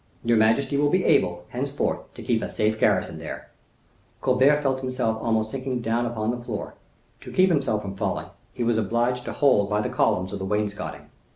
Your majesty will be able, henceforth, to keep a safe garrison there." Colbert felt almost sinking down upon the floor. To keep himself from falling, he was obliged to hold by the columns of the wainscoting.